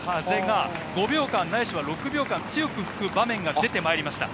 ５秒間ないしは６秒間、強く吹く場面が出てまいりました。